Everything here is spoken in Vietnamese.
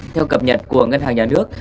theo cập nhật của ngân hàng nhà nước